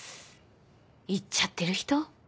いっちゃってる人？